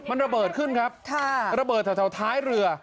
มันระเบิดขึ้นครับระเบิดแถวท้ายเรือ